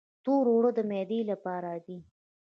تور اوړه د معدې لپاره دي.